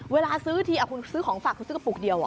เวลาซื้อทีคุณซื้อของฝากคุณซื้อกระปุกเดียว